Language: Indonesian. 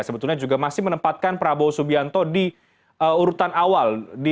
sebetulnya juga masih menempatkan prabowo subianto di urutan awal